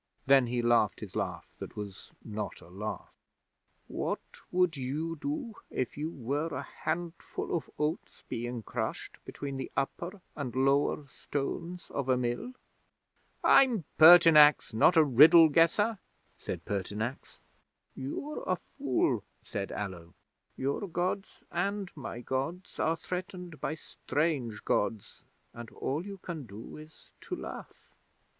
Then he laughed his laugh that was not a laugh. "What would you do if you were a handful of oats being crushed between the upper and lower stones of a mill?" '"I'm Pertinax, not a riddle guesser," said Pertinax. '"You're a fool," said Allo. "Your Gods and my Gods are threatened by strange Gods, and all you can do is to laugh."